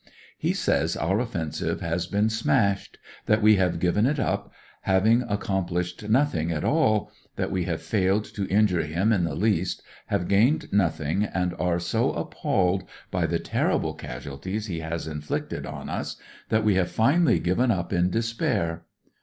'*He says our offensive has been smashed; that we have given it up, having accomplished nothing at all ; that we have failed to injure him in the least have gained nothing, and are so appallet by the terrible casualties he has inflicted on us that we have finally given up in despair.